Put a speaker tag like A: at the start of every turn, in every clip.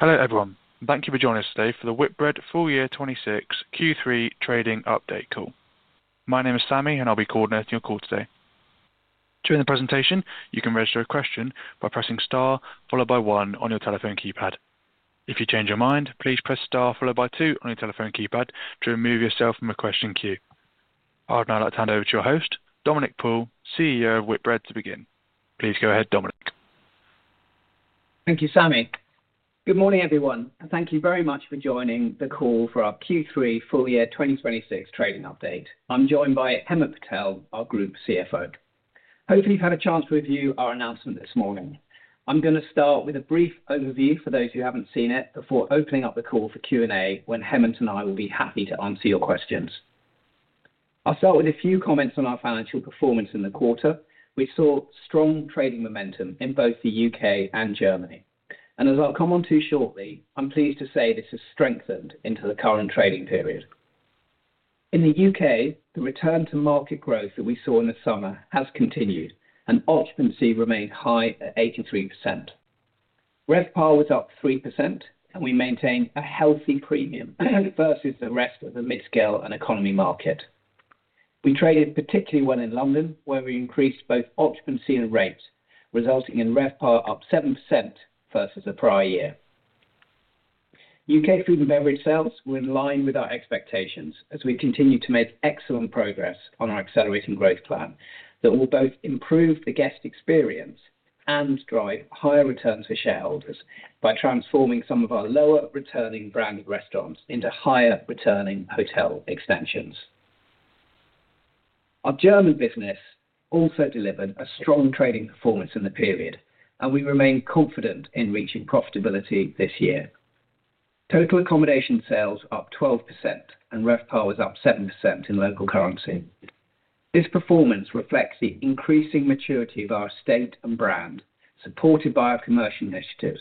A: Hello everyone, thank you for joining us today for the Whitbread FY26 Q3 Trading Update Call. My name is Sammy, and I'll be coordinating your call today. During the presentation, you can register a question by pressing star followed by one on your telephone keypad. If you change your mind, please press star followed by two on your telephone keypad to remove yourself from a question queue. I'd now like to hand over to your host, Dominic Paul, CEO of Whitbread, to begin. Please go ahead, Dominic.
B: Thank you, Sammy. Good morning, everyone, and thank you very much for joining the call for our Q3 FY26 Trading Update. I'm joined by Hemant Patel, our Group CFO. Hopefully, you've had a chance to review our announcement this morning. I'm going to start with a brief overview for those who haven't seen it before opening up the call for Q&A, when Hemant and I will be happy to answer your questions. I'll start with a few comments on our financial performance in the quarter. We saw strong trading momentum in both the UK and Germany, and as I'll come on to shortly, I'm pleased to say this has strengthened into the current trading period. In the UK, the return to market growth that we saw in the summer has continued, and occupancy remained high at 83%. RevPAR was up 3%, and we maintained a healthy premium versus the rest of the mid-scale and economy market. We traded particularly well in London, where we increased both occupancy and rates, resulting in RevPAR up 7% versus the prior year. U.K. food and beverage sales were in line with our expectations as we continue to make excellent progress on our accelerating growth plan that will both improve the guest experience and drive higher returns for shareholders by transforming some of our lower-returning branded restaurants into higher-returning hotel extensions. Our German business also delivered a strong trading performance in the period, and we remain confident in reaching profitability this year. Total accommodation sales are up 12%, and RevPAR was up 7% in local currency. This performance reflects the increasing maturity of our estate and brand, supported by our commercial initiatives,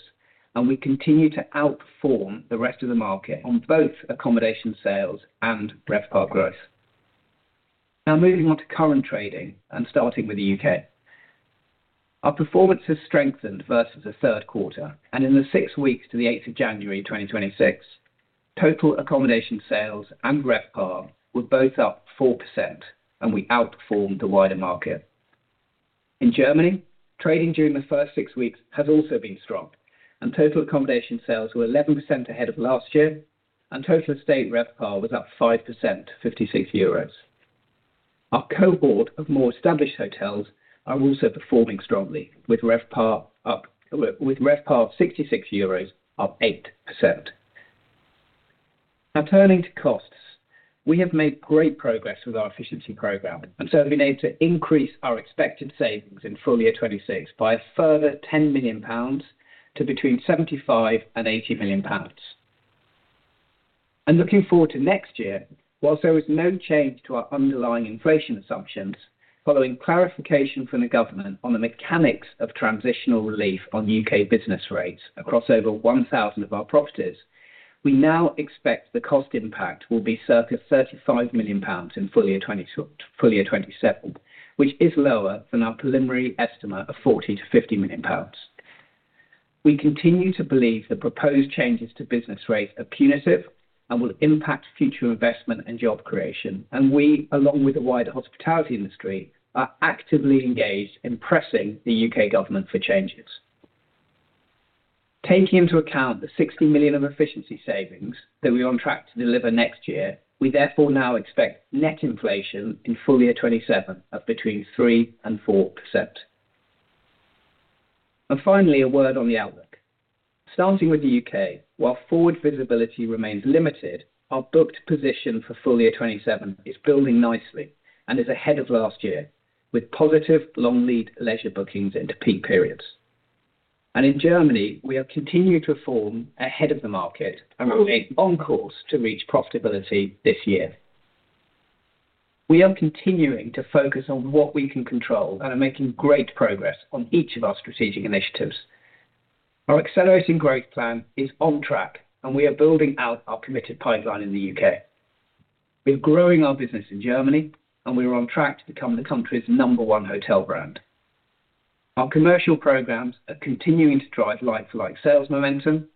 B: and we continue to outperform the rest of the market on both accommodation sales and RevPAR growth. Now, moving on to current trading and starting with the UK, our performance has strengthened versus the third quarter, and in the six weeks to the 8th of January 2026, total accommodation sales and RevPAR were both up 4%, and we outperformed the wider market. In Germany, trading during the first six weeks has also been strong, and total accommodation sales were 11% ahead of last year, and total estate RevPAR was up 5% to 56 euros. Our cohort of more established hotels are also performing strongly, with RevPAR of EUR 66 up 8%. Now, turning to costs, we have made great progress with our efficiency program, and so we need to increase our expected savings in FY26 by a further 10 million pounds to between 75 million and 80 million pounds, and looking forward to next year, whilst there is no change to our underlying inflation assumptions, following clarification from the government on the mechanics of transitional relief on U.K. business rates across over 1,000 of our properties, we now expect the cost impact will be circa 35 million pounds in FY27, which is lower than our preliminary estimate of 40 million to 50 million pounds. We continue to believe the proposed changes to business rates are punitive and will impact future investment and job creation, and we, along with the wider hospitality industry, are actively engaged in pressing the U.K. government for changes. Taking into account the 60 million of efficiency savings that we are on track to deliver next year, we therefore now expect net inflation in FY27 of between 3% and 4%. And finally, a word on the outlook. Starting with the U.K., while forward visibility remains limited, our booked position for FY27 is building nicely and is ahead of last year, with positive long lead leisure bookings into peak periods. And in Germany, we are continuing to perform ahead of the market and remain on course to reach profitability this year. We are continuing to focus on what we can control and are making great progress on each of our strategic initiatives. Our accelerating growth plan is on track, and we are building out our committed pipeline in the U.K. We are growing our business in Germany, and we are on track to become the country's number one hotel brand. Our commercial programs are continuing to drive like-for-like sales momentum.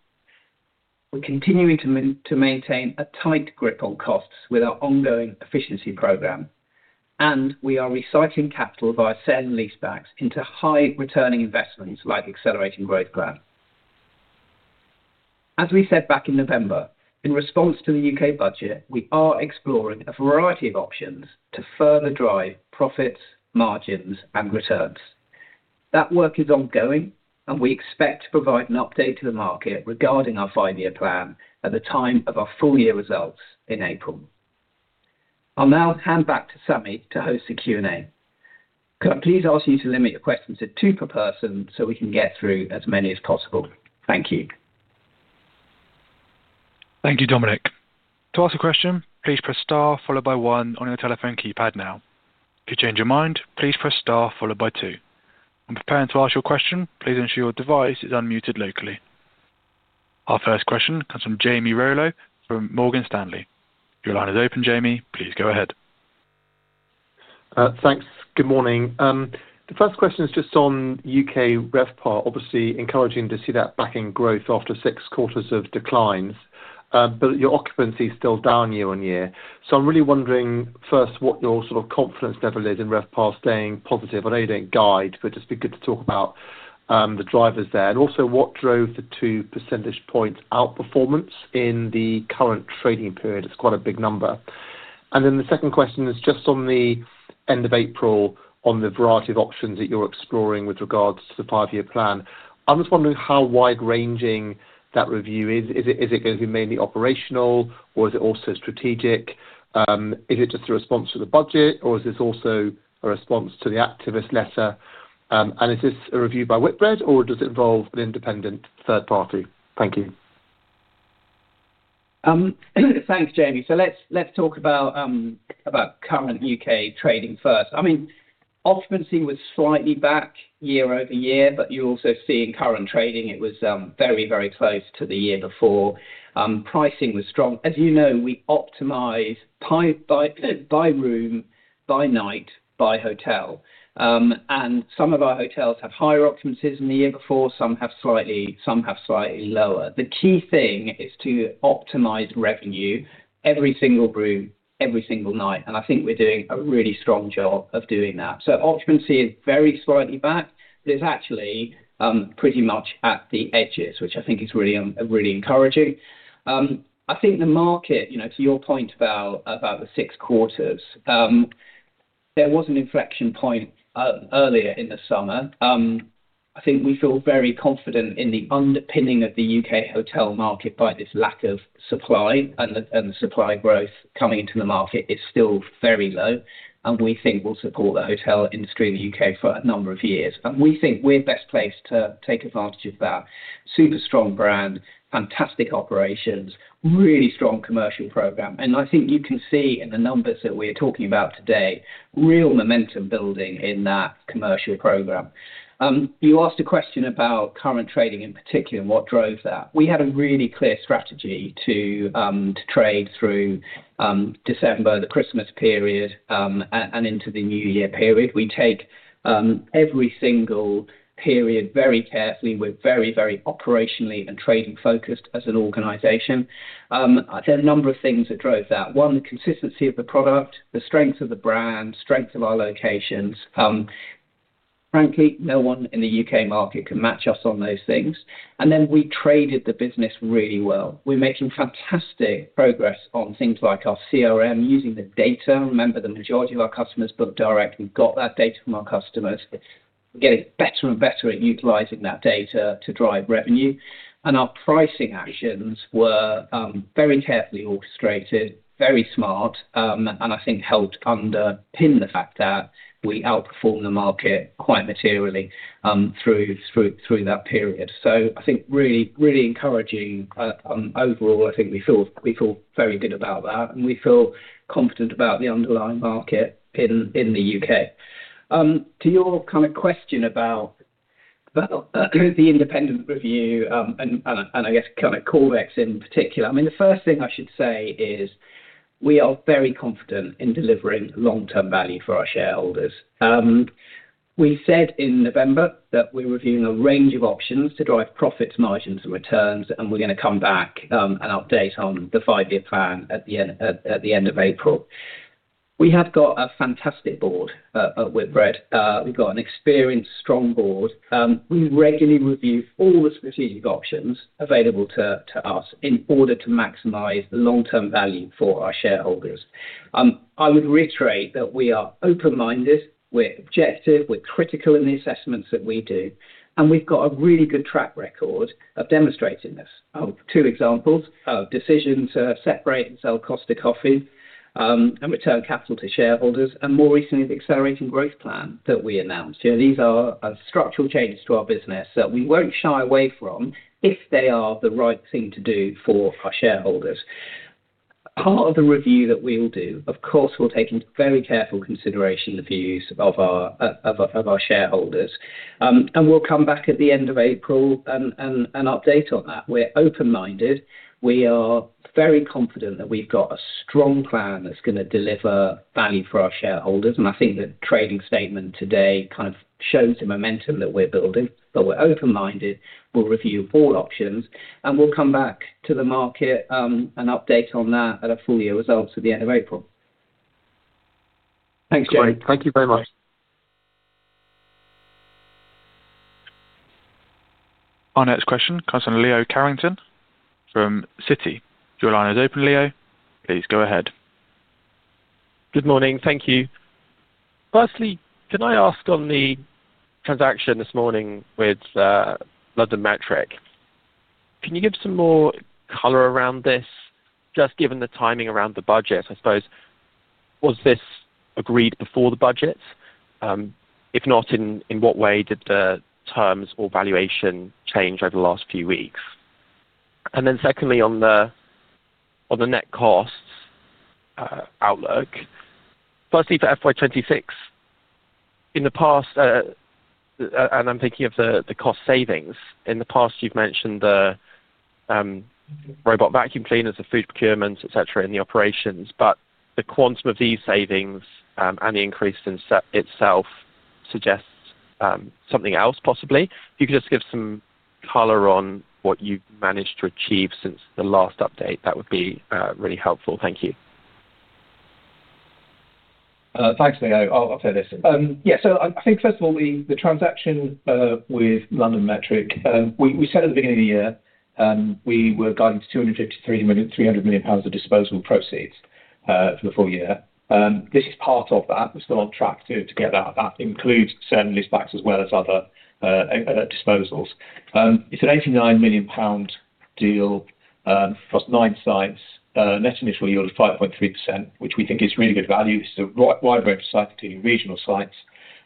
B: We're continuing to maintain a tight grip on costs with our ongoing efficiency program, and we are recycling capital via sale and lease backs into high-returning investments like accelerating growth plans. As we said back in November, in response to the U.K. budget, we are exploring a variety of options to further drive profits, margins, and returns. That work is ongoing, and we expect to provide an update to the market regarding our five-year plan at the time of our full year results in April. I'll now hand back to Sammy to host the Q&A. Could I please ask you to limit your questions to two per person so we can get through as many as possible? Thank you.
A: Thank you, Dominic. To ask a question, please press star followed by one on your telephone keypad now. If you change your mind, please press star followed by two. When preparing to ask your question, please ensure your device is unmuted locally. Our first question comes from Jamie Rollo from Morgan Stanley. Your line is open, Jamie. Please go ahead.
C: Thanks. Good morning. The first question is just on UK RevPAR. Obviously, encouraging to see that backing growth after six quarters of declines, but your occupancy is still down year on year. So I'm really wondering first what your sort of confidence level is in RevPAR staying positive. I know you don't guide, but it'd just be good to talk about the drivers there. And also, what drove the two percentage points outperformance in the current trading period? It's quite a big number. And then the second question is just on the end of April, on the variety of options that you're exploring with regards to the five-year plan. I'm just wondering how wide-ranging that review is. Is it going to be mainly operational, or is it also strategic? Is it just a response to the budget, or is this also a response to the activist letter? Is this a review by Whitbread, or does it involve an independent third party? Thank you.
B: Thanks, Jamie. So let's talk about current U.K. trading first. I mean, occupancy was slightly back year over year, but you also see in current trading it was very, very close to the year before. Pricing was strong. As you know, we optimize by room, by night, by hotel. And some of our hotels have higher occupancies than the year before. Some have slightly lower. The key thing is to optimize revenue every single room, every single night. And I think we're doing a really strong job of doing that. So occupancy is very slightly back, but it's actually pretty much at the edges, which I think is really encouraging. I think the market, to your point about the six quarters, there was an inflection point earlier in the summer. I think we feel very confident in the underpinning of the U.K. hotel market by this lack of supply, and the supply growth coming into the market is still very low, and we think will support the hotel industry in the U.K. for a number of years. And we think we're best placed to take advantage of that. Super strong brand, fantastic operations, really strong commercial program. And I think you can see in the numbers that we are talking about today, real momentum building in that commercial program. You asked a question about current trading in particular and what drove that. We had a really clear strategy to trade through December, the Christmas period, and into the New Year period. We take every single period very carefully. We're very, very operationally and trading-focused as an organization. There are a number of things that drove that. One, the consistency of the product, the strength of the brand, strength of our locations. Frankly, no one in the U.K. market can match us on those things. And then we traded the business really well. We're making fantastic progress on things like our CRM, using the data. Remember, the majority of our customers book directly. We got that data from our customers. We're getting better and better at utilizing that data to drive revenue. And our pricing actions were very carefully orchestrated, very smart, and I think helped underpin the fact that we outperformed the market quite materially through that period. So I think really, really encouraging overall. I think we feel very good about that, and we feel confident about the underlying market in the U.K. To your kind of question about the independent review and I guess kind of Corvex in particular, I mean, the first thing I should say is we are very confident in delivering long-term value for our shareholders. We said in November that we're reviewing a range of options to drive profits, margins, and returns, and we're going to come back and update on the five-year plan at the end of April. We have got a fantastic board at Whitbread. We've got an experienced, strong board. We regularly review all the strategic options available to us in order to maximize the long-term value for our shareholders. I would reiterate that we are open-minded. We're objective. We're critical in the assessments that we do. And we've got a really good track record of demonstrating this. Two examples: decision to separate and sell Costa Coffee and return capital to shareholders, and more recently, the accelerating growth plan that we announced. These are structural changes to our business that we won't shy away from if they are the right thing to do for our shareholders. Part of the review that we will do, of course, we'll take into very careful consideration the views of our shareholders, and we'll come back at the end of April and update on that. We're open-minded. We are very confident that we've got a strong plan that's going to deliver value for our shareholders. And I think the trading statement today kind of shows the momentum that we're building. But we're open-minded. We'll review all options, and we'll come back to the market and update on that at a full year results at the end of April. Thanks, Jamie.
A: Thank you very much. Our next question comes from Leo Carrington from Citi. Your line is open, Leo. Please go ahead.
D: Good morning. Thank you. Firstly, can I ask on the transaction this morning with LondonMetric? Can you give some more color around this? Just given the timing around the budget, I suppose, was this agreed before the budget? If not, in what way did the terms or valuation change over the last few weeks? And then secondly, on the net costs outlook, firstly, for FY26, in the past, and I'm thinking of the cost savings, in the past, you've mentioned the robot vacuum cleaners, the food procurements, etc., in the operations. But the quantum of these savings and the increase in itself suggests something else, possibly. If you could just give some color on what you've managed to achieve since the last update, that would be really helpful. Thank you.
E: Thanks, Leo. I'll take this. Yeah. So I think, first of all, the transaction with LondonMetric, we said at the beginning of the year we were guiding to 253 million of disposable proceeds for the full year. This is part of that. We're still on track to get that. That includes sale and lease backs as well as other disposals. It's a 89 million pound deal across nine sites. Net initial yield of 5.3%, which we think is really good value. This is a wide range of sites including regional sites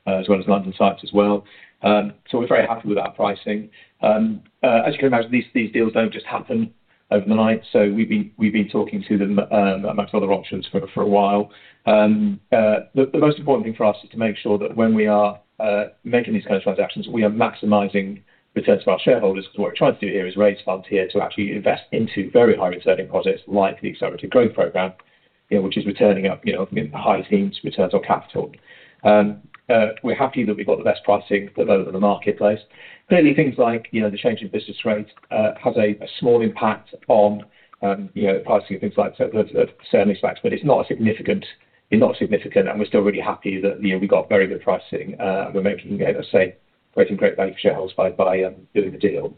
E: as well as London sites as well. So we're very happy with that pricing. As you can imagine, these deals don't just happen overnight. So we've been talking to them amongst other options for a while. The most important thing for us is to make sure that when we are making these kinds of transactions, we are maximizing returns for our shareholders. What we're trying to do here is raise funds here to actually invest into very high-returning projects like the accelerated growth program, which is returning up high teens' returns on capital. We're happy that we've got the best pricing for the marketplace. Clearly, things like the change in business rates has a small impact on pricing and things like sale and leasebacks, but it's not significant. It's not significant, and we're still really happy that we got very good pricing. We're making a great value for shareholders by doing the deal.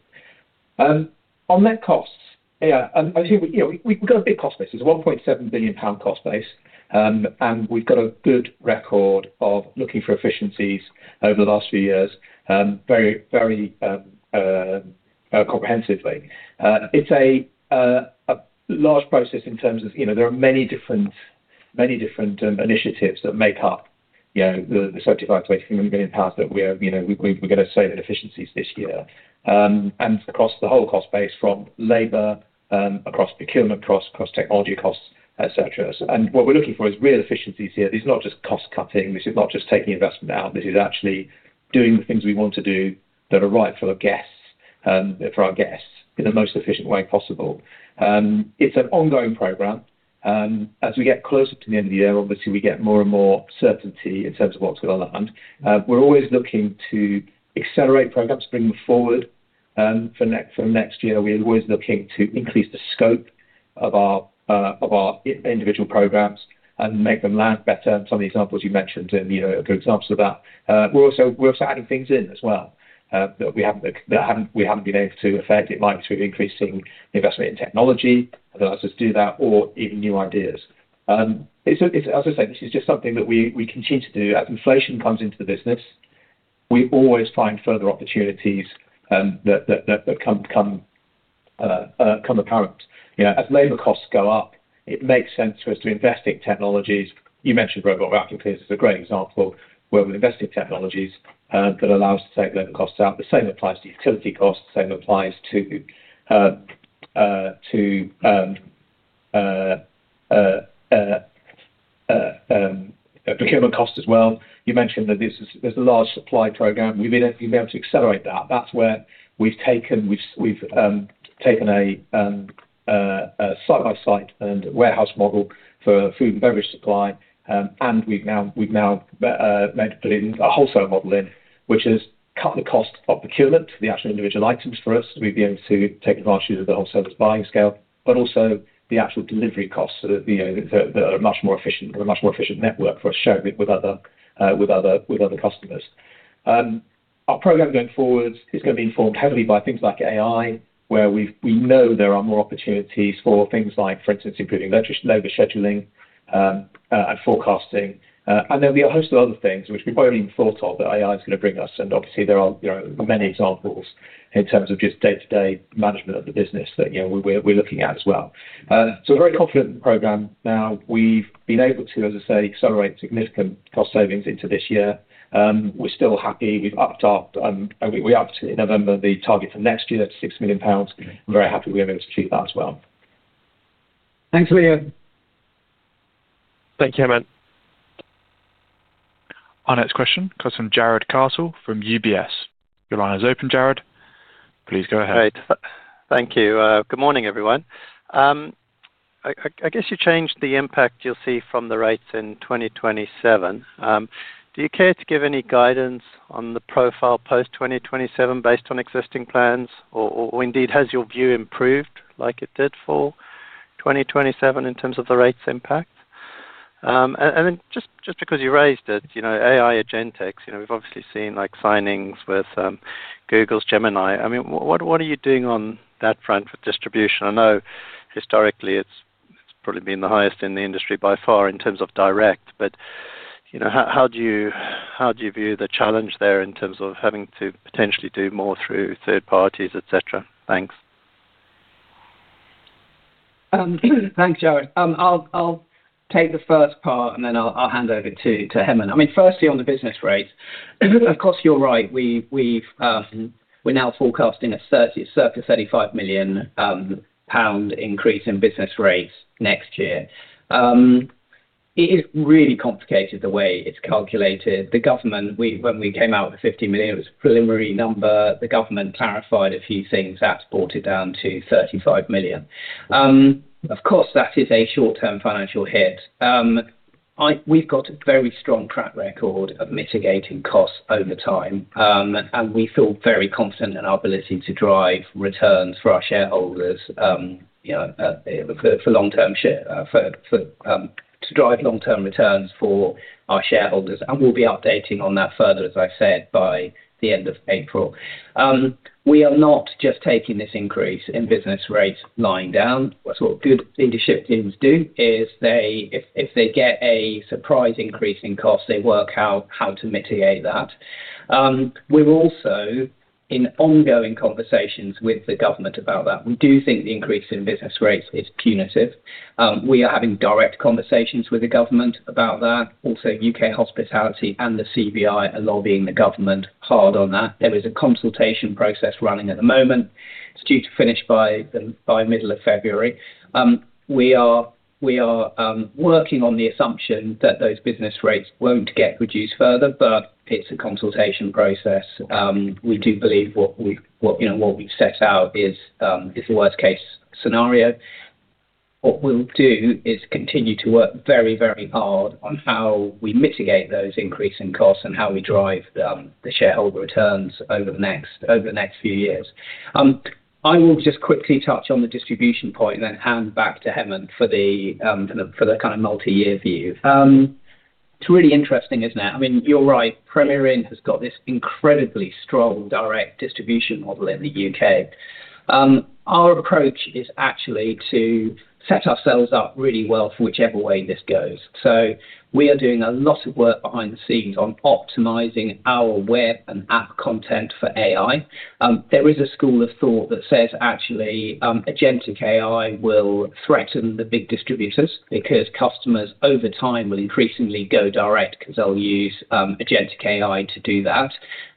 E: On net costs, yeah, I think we've got a big cost basis. It's a £1.7 billion cost base, and we've got a good record of looking for efficiencies over the last few years very comprehensively. It's a large process in terms of there are many different initiatives that make up the £75-£83 million that we're going to save in efficiencies this year. And across the whole cost base, from labor, across procurement costs, across technology costs, etc. And what we're looking for is real efficiencies here. This is not just cost cutting. This is not just taking investment out. This is actually doing the things we want to do that are right for our guests in the most efficient way possible. It's an ongoing program. As we get closer to the end of the year, obviously, we get more and more certainty in terms of what's going to land. We're always looking to accelerate programs to bring them forward. For next year, we're always looking to increase the scope of our individual programs and make them land better. Some of the examples you mentioned are good examples of that. We're also adding things in as well that we haven't been able to affect. It might be through increasing investment in technology, otherwise just do that, or even new ideas. As I say, this is just something that we continue to do. As inflation comes into the business, we always find further opportunities that become apparent. As labor costs go up, it makes sense for us to invest in technologies. You mentioned robot vacuum cleaners as a great example where we're investing in technologies that allow us to take labor costs out. The same applies to utility costs. The same applies to procurement costs as well. You mentioned that there's a large supply program. We've been able to accelerate that. That's where we've taken a site-by-site and warehouse model for food and beverage supply. And we've now been able to put in a wholesale model in, which has cut the cost of procurement, the actual individual items for us. We've been able to take advantage of the wholesalers' buying scale, but also the actual delivery costs that are a much more efficient network for us sharing it with other customers. Our program going forward is going to be informed heavily by things like AI, where we know there are more opportunities for things like, for instance, improving labor scheduling and forecasting. And there'll be a host of other things which we've probably even thought of that AI is going to bring us. And obviously, there are many examples in terms of just day-to-day management of the business that we're looking at as well. So we're very confident in the program. Now, we've been able to, as I say, accelerate significant cost savings into this year. We're still happy. We've upped our target in November, the target for next year to 6 million pounds. We're very happy we were able to achieve that as well.
B: Thanks, Leo.
A: Thank you, Hemant. Our next question comes from Jared Castle from UBS. Your line is open, Jared. Please go ahead.
F: Great. Thank you. Good morning, everyone. I guess you changed the impact you'll see from the rates in 2027. Do you care to give any guidance on the profile post-2027 based on existing plans, or indeed, has your view improved like it did for 2027 in terms of the rates impact? And then just because you raised it, agentic AI, we've obviously seen signings with Google's Gemini. I mean, what are you doing on that front with distribution? I know historically it's probably been the highest in the industry by far in terms of direct. But how do you view the challenge there in terms of having to potentially do more through third parties, etc.? Thanks.
B: Thanks, Jared. I'll take the first part, and then I'll hand over to Hemant. I mean, firstly, on the business rates, of course, you're right. We're now forecasting a 35 million pound increase in business rates next year. It is really complicated the way it's calculated. The government, when we came out with the 50 million, it was a preliminary number. The government clarified a few things. That's brought it down to 35 million. Of course, that is a short-term financial hit. We've got a very strong track record of mitigating costs over time, and we feel very confident in our ability to drive returns for our shareholders for long-term returns for our shareholders, and we'll be updating on that further, as I said, by the end of April. We are not just taking this increase in business rates lying down. What good leadership teams do is if they get a surprise increase in costs, they work out how to mitigate that. We're also in ongoing conversations with the government about that. We do think the increase in business rates is punitive. We are having direct conversations with the government about that. Also, UK Hospitality and the CBI are lobbying the government hard on that. There is a consultation process running at the moment. It's due to finish by middle of February. We are working on the assumption that those business rates won't get reduced further, but it's a consultation process. We do believe what we've set out is the worst-case scenario. What we'll do is continue to work very, very hard on how we mitigate those increasing costs and how we drive the shareholder returns over the next few years. I will just quickly touch on the distribution point and then hand back to Hemant for the kind of multi-year view. It's really interesting, isn't it? I mean, you're right. Premier Inn has got this incredibly strong direct distribution model in the U.K. Our approach is actually to set ourselves up really well for whichever way this goes. So we are doing a lot of work behind the scenes on optimizing our web and app content for AI. There is a school of thought that says actually agentic AI will threaten the big distributors because customers over time will increasingly go direct because they'll use agentic AI to do that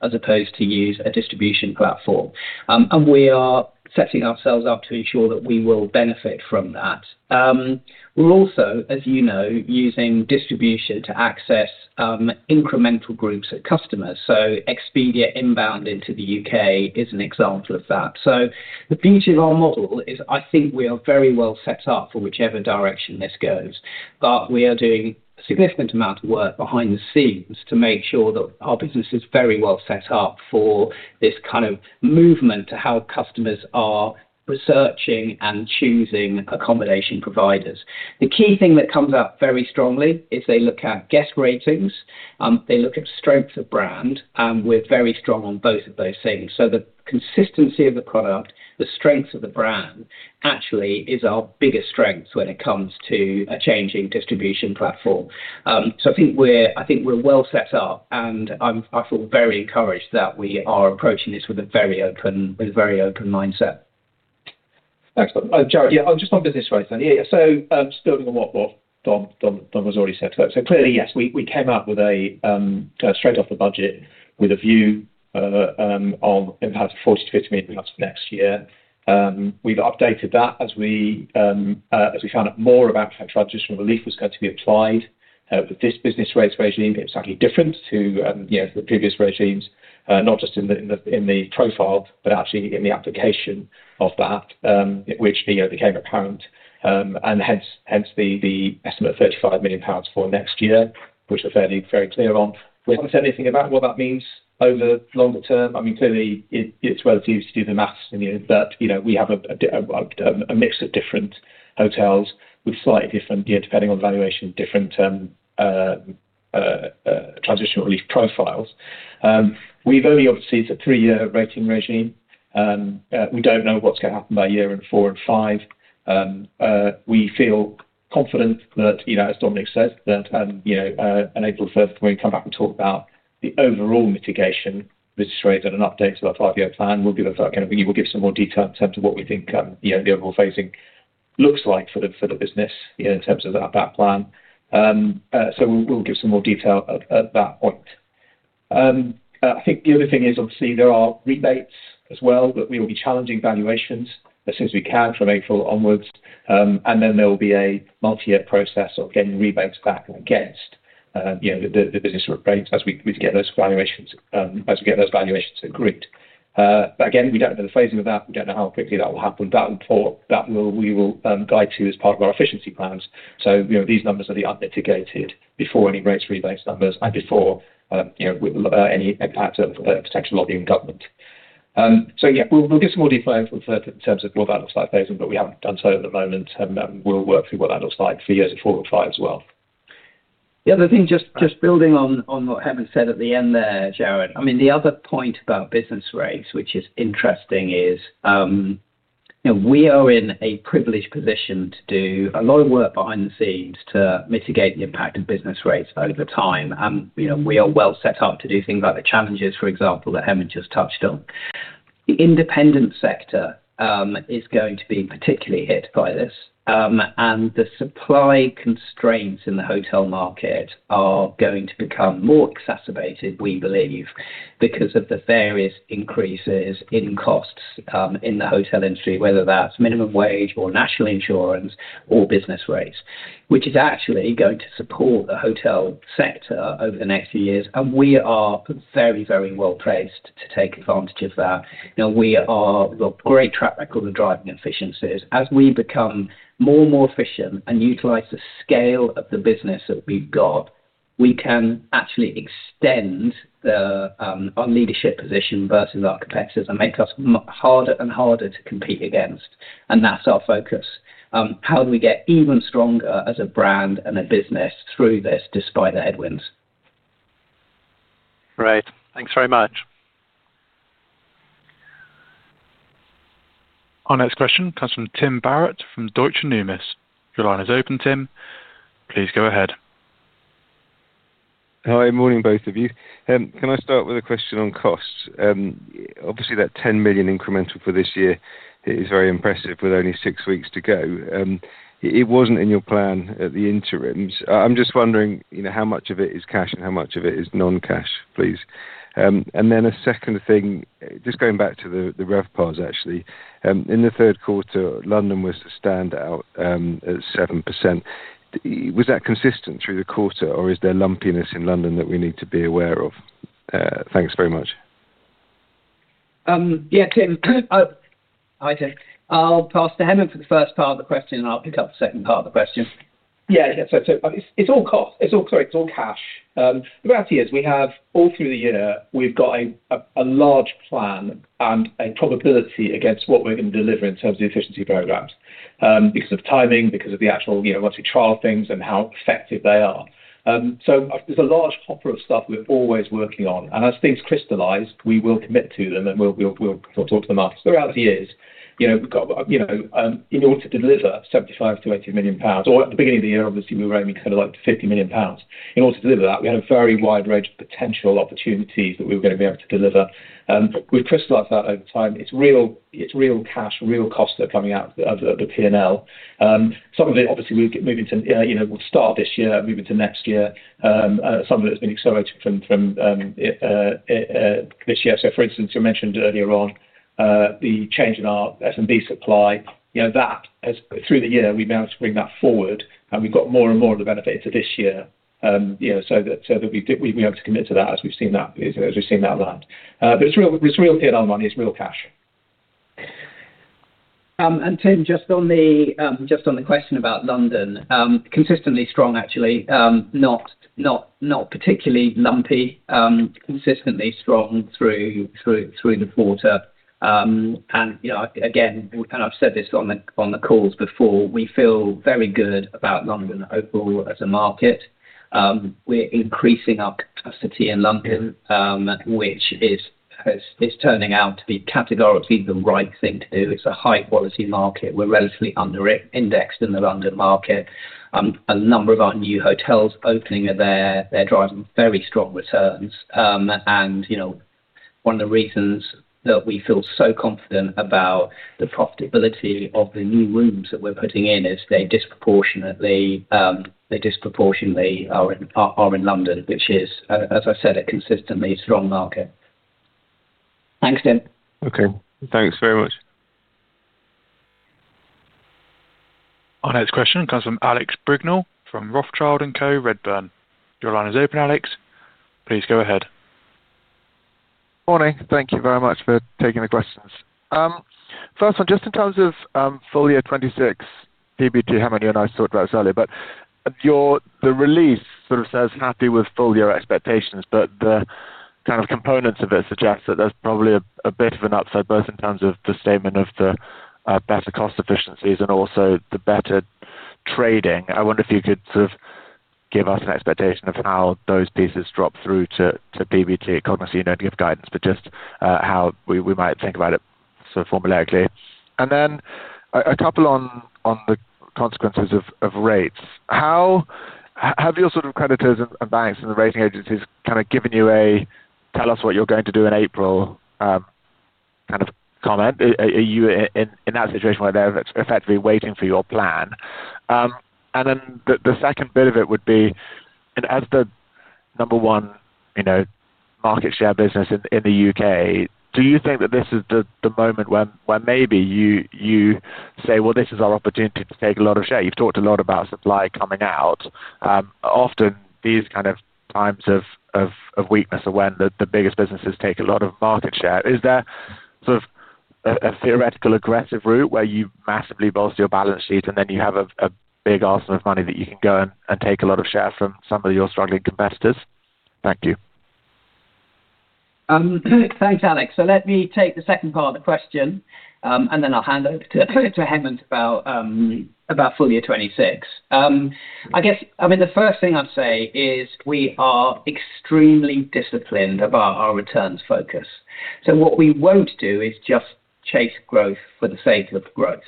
B: as opposed to use a distribution platform. And we are setting ourselves up to ensure that we will benefit from that. We're also, as you know, using distribution to access incremental groups of customers. So Expedia inbound into the U.K. is an example of that. So the beauty of our model is I think we are very well set up for whichever direction this goes. But we are doing a significant amount of work behind the scenes to make sure that our business is very well set up for this kind of movement to how customers are researching and choosing accommodation providers. The key thing that comes up very strongly is they look at guest ratings. They look at strength of brand, and we're very strong on both of those things. So the consistency of the product, the strength of the brand actually is our biggest strength when it comes to a changing distribution platform. So I think we're well set up, and I feel very encouraged that we are approaching this with a very open mindset.
E: Thanks. Jared, yeah, I'm just on business rates. So still doing a lot more than was already said. So clearly, yes, we came out with a straight off the budget with a view of in about 40-50 million next year. We've updated that as we found out more about how transitional relief was going to be applied with this business rates regime. It's actually different to the previous regimes, not just in the profile, but actually in the application of that, which became apparent. And hence, the estimate of 35 million pounds for next year, which we're fairly clear on. We haven't said anything about what that means over the longer term. I mean, clearly, it's relative to do the math, but we have a mix of different hotels with slightly different, depending on valuation, different transitional relief profiles. We've only obviously it's a three-year rating regime. We don't know what's going to happen by year four and five. We feel confident that, as Dominic said, that in April, we're going to come back and talk about the overall mitigation business rates and an update to our five-year plan. We'll give some more detail in terms of what we think the overall phasing looks like for the business in terms of that plan. So we'll give some more detail at that point. I think the other thing is, obviously, there are rebates as well, but we will be challenging valuations as soon as we can from April onward. And then there will be a multi-year process of getting rebates back against the business rates as we get those valuations agreed. But again, we don't know the phasing of that. We don't know how quickly that will happen. That will guide to as part of our efficiency plans, so these numbers are the unmitigated before any rates rebates numbers and before any impact of potential lobbying government, so yeah, we'll give some more detail in terms of what that looks like phasing, but we haven't done so at the moment, and we'll work through what that looks like for years of four or five as well.
B: The other thing, just building on what Hemant said at the end there, Jared, I mean, the other point about business rates, which is interesting, is we are in a privileged position to do a lot of work behind the scenes to mitigate the impact of business rates over time. And we are well set up to do things like the challenges, for example, that Hemant just touched on. The independent sector is going to be particularly hit by this. And the supply constraints in the hotel market are going to become more exacerbated, we believe, because of the various increases in costs in the hotel industry, whether that's minimum wage or national insurance or business rates, which is actually going to support the hotel sector over the next few years. And we are very, very well placed to take advantage of that. We have a great track record of driving efficiencies. As we become more and more efficient and utilize the scale of the business that we've got, we can actually extend our leadership position versus our competitors and make us harder and harder to compete against. And that's our focus. How do we get even stronger as a brand and a business through this despite the headwinds?
A: Great. Thanks very much. Our next question comes from Tim Barrett from Deutsche Numis. Your line is open, Tim. Please go ahead.
G: Hi. Morning, both of you. Can I start with a question on costs? Obviously, that 10 million incremental for this year is very impressive with only six weeks to go. It wasn't in your plan at the interims. I'm just wondering how much of it is cash and how much of it is non-cash, please. Then a second thing, just going back to the RevPAR, actually. In the third quarter, London was a standout at 7%. Was that consistent through the quarter, or is there lumpiness in London that we need to be aware of? Thanks very much.
B: Yeah, Tim. Hi, Tim. I'll pass to Hemant for the first part of the question, and I'll pick up the second part of the question.
G: Yeah, yeah. So it's all cost. Sorry, it's all cash. The reality is we have all through the year, we've got a large plan and a probability against what we're going to deliver in terms of efficiency programs because of timing, because of the actual once we trial things and how effective they are. So there's a large hopper of stuff we're always working on. And as things crystallize, we will commit to them and we'll talk to them after. So the reality is we've got in order to deliver 75-80 million pounds, or at the beginning of the year, obviously, we were aiming for 50 million pounds. In order to deliver that, we had a very wide range of potential opportunities that we were going to be able to deliver. We've crystallized that over time. It's real cash, real costs that are coming out of the P&L. Some of it, obviously, we'll start this year, move into next year. Some of it has been accelerated from this year. So, for instance, you mentioned earlier on the change in our S&B supply. That, through the year, we've been able to bring that forward, and we've got more and more of the benefit into this year so that we've been able to commit to that as we've seen that land. But it's real P&L money. It's real cash.
B: And Tim, just on the question about London, consistently strong, actually. Not particularly lumpy. Consistently strong through the quarter. And again, and I've said this on the calls before, we feel very good about London overall as a market. We're increasing our capacity in London, which is turning out to be categorically the right thing to do. It's a high-quality market. We're relatively underindexed in the London market. A number of our new hotels opening are there. They're driving very strong returns. And one of the reasons that we feel so confident about the profitability of the new rooms that we're putting in is they disproportionately are in London, which is, as I said, a consistently strong market. Thanks, Tim.
A: Okay. Thanks very much. Our next question comes from Alex Brignell from Rothschild & Co., Redburn. Your line is open, Alex. Please go ahead.
H: Morning. Thank you very much for taking the questions. First one, just in terms of full year '26, PBT, how we mentioned this earlier, but the release sort of says happy with full year expectations, but the kind of components of it suggest that there's probably a bit of an upside both in terms of the statement of the better cost efficiencies and also the better trading. I wonder if you could sort of give us an expectation of how those pieces drop through to PBT, but cognizant we give guidance, but just how we might think about it sort of formulaically. And then a couple on the consequences of rates. Have your creditors and banks and the rating agencies kind of given you a "tell us what you're going to do in April" kind of comment? Are you in that situation where they're effectively waiting for your plan? And then the second bit of it would be, as the number one market share business in the U.K., do you think that this is the moment where maybe you say, "Well, this is our opportunity to take a lot of share"? You've talked a lot about supply coming out. Often, these kind of times of weakness are when the biggest businesses take a lot of market share. Is there sort of a theoretical aggressive route where you massively bolster your balance sheet and then you have a big arsenal of money that you can go and take a lot of share from some of your struggling competitors? Thank you.
B: Thanks, Alex. So let me take the second part of the question, and then I'll hand over to Hemant about full year 2026. I guess, I mean, the first thing I'd say is we are extremely disciplined about our returns focus. So what we won't do is just chase growth for the sake of growth.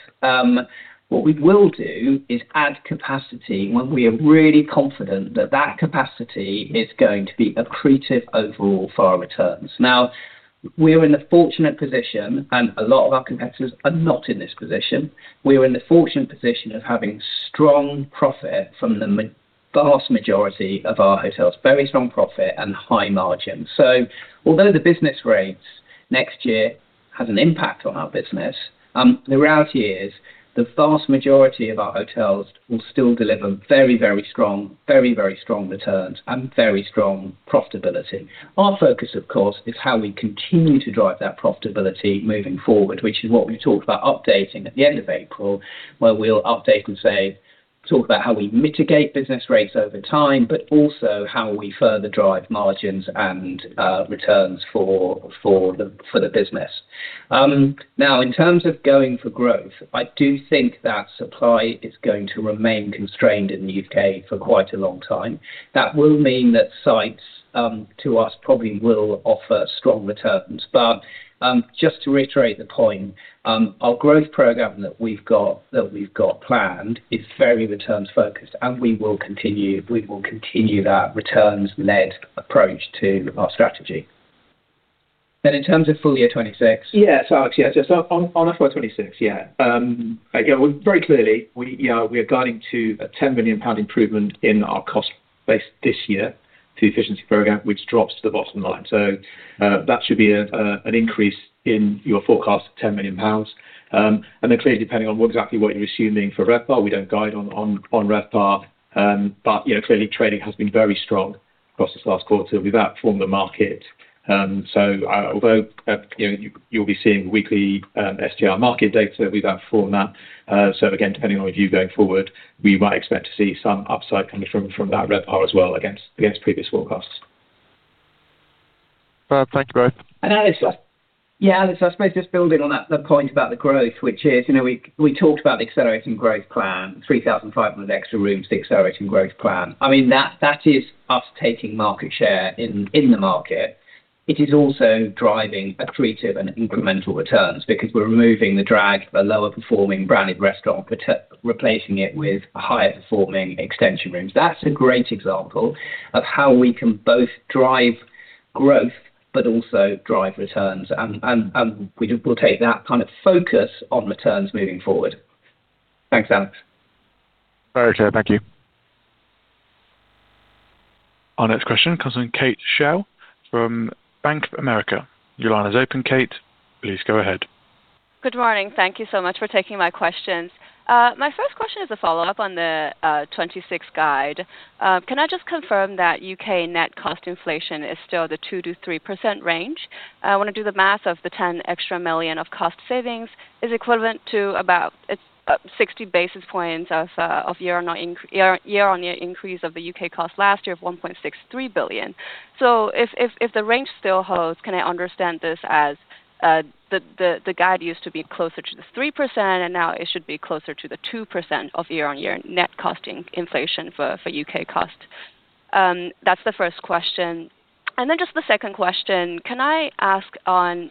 B: What we will do is add capacity when we are really confident that that capacity is going to be accretive overall for our returns. Now, we're in the fortunate position, and a lot of our competitors are not in this position. We are in the fortunate position of having strong profit from the vast majority of our hotels, very strong profit and high margins. So although the business rates next year have an impact on our business, the reality is the vast majority of our hotels will still deliver very, very strong, very, very strong returns and very strong profitability. Our focus, of course, is how we continue to drive that profitability moving forward, which is what we talked about updating at the end of April, where we'll update and say, talk about how we mitigate business rates over time, but also how we further drive margins and returns for the business. Now, in terms of going for growth, I do think that supply is going to remain constrained in the U.K. for quite a long time. That will mean that sites to us probably will offer strong returns. But just to reiterate the point, our growth program that we've got planned is very returns focused, and we will continue that returns-led approach to our strategy. Then in terms of full year 2026?
E: Yeah, so actually, on FY 2026, yeah. Again, very clearly, we are guiding to a 10 million pound improvement in our cost base this year through the efficiency program, which drops to the bottom line. So that should be an increase in your forecast of 10 million pounds. And then clearly, depending on exactly what you're assuming for RevPAR, we don't guide on RevPAR. But clearly, trading has been very strong across this last quarter, outperforming the market. So although you'll be seeing weekly STR market data, we've outperformed that. So again, depending on RevPAR going forward, we might expect to see some upside coming from that RevPAR as well against previous forecasts.
H: Thank you both.
B: Alex. Yeah, Alex, I suppose just building on that point about the growth, which is we talked about the Accelerating Growth Plan, 3,500 extra rooms, the Accelerating Growth Plan. I mean, that is us taking market share in the market. It is also driving accretive and incremental returns because we're removing the drag of a lower-performing branded restaurant, replacing it with a higher-performing extension room. That's a great example of how we can both drive growth but also drive returns. And we'll take that kind of focus on returns moving forward. Thanks, Alex.
A: Very clear. Thank you. Our next question comes from Kate Shell from Bank of America. Your line is open, Kate. Please go ahead.
I: Good morning. Thank you so much for taking my questions. My first question is a follow-up on the '26 guide. Can I just confirm that UK net cost inflation is still the 2%-3% range? I want to do the math of the 10 million extra of cost savings is equivalent to about 60 basis points of year-on-year increase of the UK cost last year of 1.63 billion. So if the range still holds, can I understand this as the guide used to be closer to the 3%, and now it should be closer to the 2% of year-on-year net cost inflation for UK cost? That's the first question, and then just the second question, can I ask on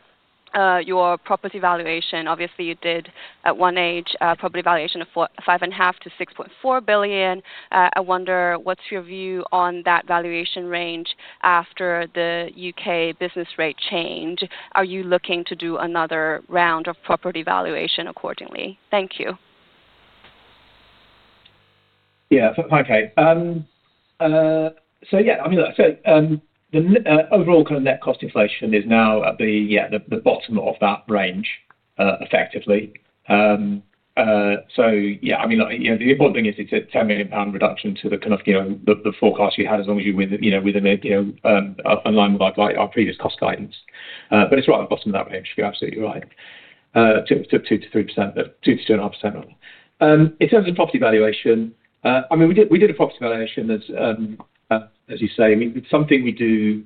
I: your property valuation? Obviously, you did an updated property valuation of 5.5 billion-6.4 billion. I wonder what's your view on that valuation range after the U.K. business rate change? Are you looking to do another round of property valuation accordingly? Thank you.
E: Yeah. Okay. So yeah, I mean, look, so the overall kind of net cost inflation is now at the, yeah, the bottom of that range, effectively. So yeah, I mean, look, the important thing is it's a 10 million pound reduction to the kind of forecast you had as long as you're in line with our previous cost guidance. But it's right at the bottom of that range. You're absolutely right. 2-3%, 2-2.5%. In terms of property valuation, I mean, we did a property valuation, as you say, something we do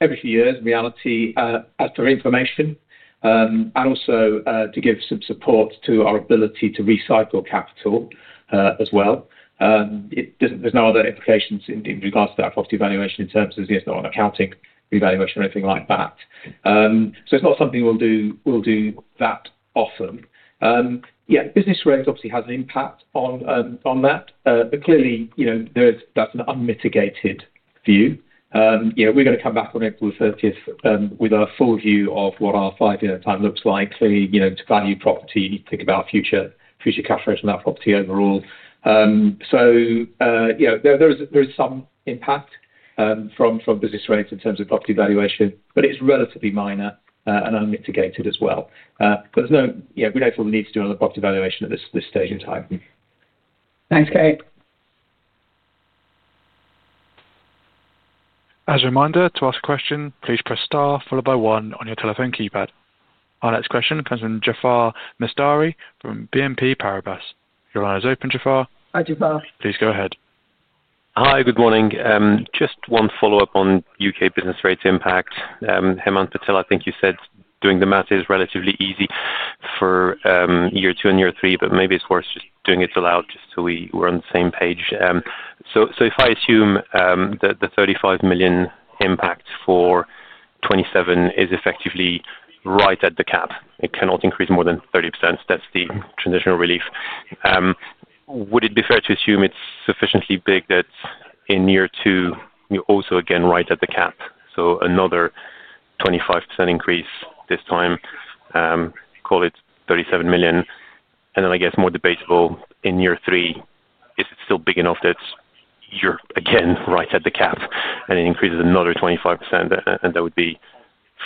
E: every few years in reality as per IFRS and also to give some support to our ability to recycle capital as well. There's no other implications in regards to that property valuation in terms of, you know, it's not an accounting revaluation or anything like that. So it's not something we'll do that often. Yeah, business rates obviously has an impact on that. But clearly, that's an unmitigated view. We're going to come back on April 30th with a full view of what our five-year plan looks like. Clearly, to value property, you need to think about future cash flows from that property overall. So there is some impact from business rates in terms of property valuation, but it's relatively minor and unmitigated as well. But we don't feel the need to do another property valuation at this stage in time.
B: Thanks, Kate.
A: As a reminder, to ask a question, please press star followed by one on your telephone keypad. Our next question comes from Jafar Mustari from BNP Paribas. Your line is open, Jafar.
E: Hi, Jafar.
A: Please go ahead.
J: Hi, good morning. Just one follow-up on U.K. business rates impact. Hemant Patel, I think you said doing the math is relatively easy for year two and year three, but maybe it's worth just doing it aloud just so we're on the same page. So if I assume that the 35 million impact for 2027 is effectively right at the cap, it cannot increase more than 30%, that's the transitional relief. Would it be fair to assume it's sufficiently big that in year two, you're also again right at the cap? So another 25% increase this time, call it 37 million. And then I guess more debatable in year three if it's still big enough that you're again right at the cap and it increases another 25%, and that would be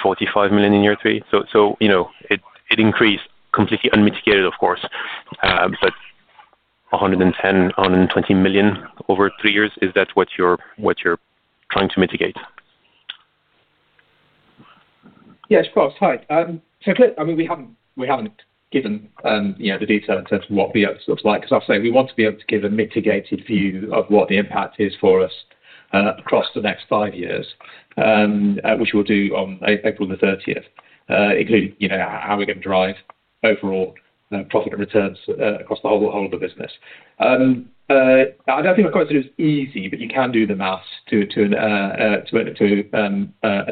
J: 45 million in year three. It increased completely unmitigated, of course, but 110-120 million over three years, is that what you're trying to mitigate?
E: Yes, of course. Hi. So clearly, I mean, we haven't given the detail in terms of what the outlook looks like. As I say, we want to be able to give a mitigated view of what the impact is for us across the next five years, which we'll do on April the 30th, including how we're going to drive overall profit and returns across the whole of the business. I don't think my question is easy, but you can do the math to an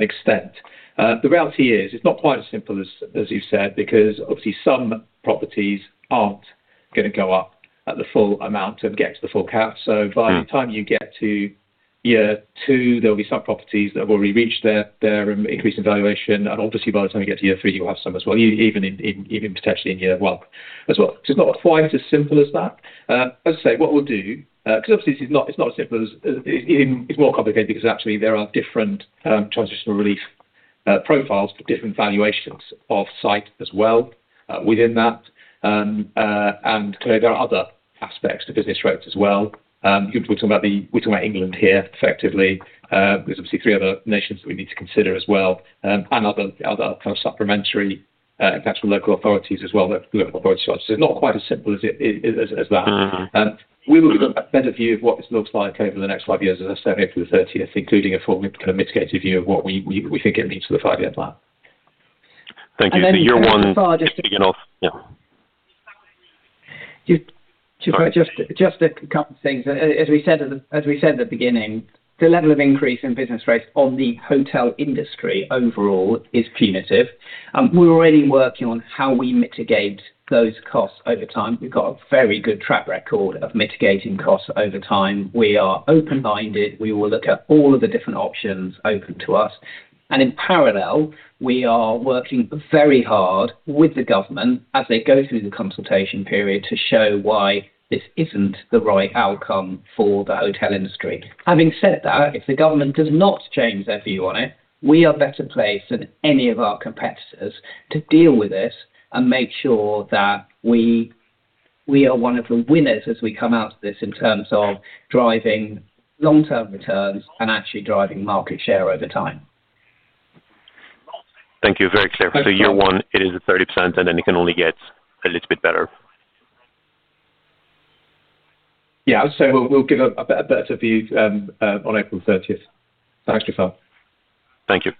E: extent. The reality is it's not quite as simple as you've said because obviously some properties aren't going to go up at the full amount and get to the full cap. So by the time you get to year two, there will be some properties that have already reached their increase in valuation. And obviously, by the time you get to year three, you'll have some as well, even potentially in year one as well. So it's not quite as simple as that. As I say, what we'll do, because obviously it's not as simple as it's more complicated because actually there are different transitional relief profiles for different valuations of site as well within that. And clearly, there are other aspects to business rates as well. We're talking about England here, effectively. There's obviously three other nations that we need to consider as well and other kind of supplementary attached to local authorities as well that local authorities are. So it's not quite as simple as that. We will give a better view of what this looks like over the next five years, as I say, April the 30th, including a full mitigated view of what we think it means for the five-year plan.
J: Thank you. So year one is big enough. Yeah.
B: Just a couple of things. As we said at the beginning, the level of increase in business rates on the hotel industry overall is punitive. We're already working on how we mitigate those costs over time. We've got a very good track record of mitigating costs over time. We are open-minded. We will look at all of the different options open to us, and in parallel, we are working very hard with the government as they go through the consultation period to show why this isn't the right outcome for the hotel industry. Having said that, if the government does not change their view on it, we are better placed than any of our competitors to deal with this and make sure that we are one of the winners as we come out of this in terms of driving long-term returns and actually driving market share over time.
J: Thank you. Very clear. So year one, it is a 30%, and then it can only get a little bit better.
E: Yeah. I would say we'll give a better view on April 30th. Thanks, Jafar.
J: Thank you.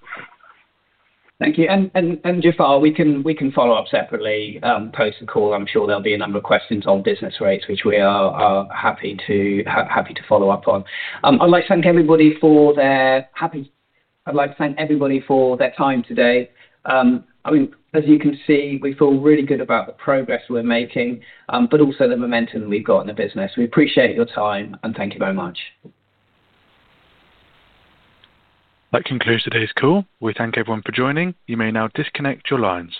B: Thank you. And Jafar, we can follow up separately, post the call. I'm sure there'll be a number of questions on business rates, which we are happy to follow up on. I'd like to thank everybody for their time today. I mean, as you can see, we feel really good about the progress we're making, but also the momentum we've got in the business. We appreciate your time, and thank you very much.
A: That concludes today's call. We thank everyone for joining. You may now disconnect your lines.